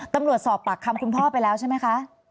ตำรวจสอบปากคำคุณพ่อไปแล้วใช่ไหมคะ